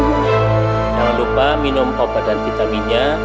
jangan lupa minum obat dan vitaminnya